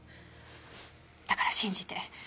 だから信じて。